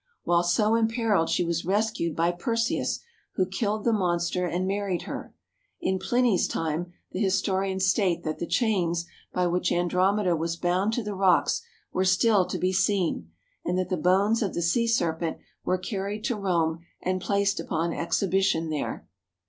While so imperilled she was rescued by Perseus, who killed the monster and married her. In Pliny's time the historians state that the chains by which Andromeda was bound to the rocks were still to be seen, and that the bones of the sea serpent were carried to Rome and placed upon exhibition there.